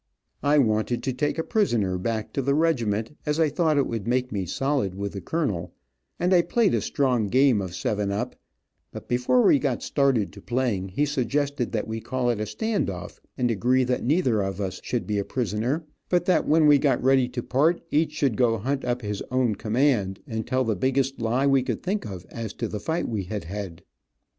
I wanted to take a prisoner back to the regiment, at I thought it would make me solid with the colonel, and I played a strong game of seven up, but before we got started to playing he suggested that we call it a stand off, and agree that neither of us should be a prisoner, but that when we got ready to part each should go hunt up his own command, and tell the biggest lie we could think of as to the fight we had had.